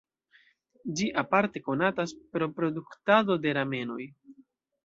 Ĝi aparte konatas pro produktado de ramenoj.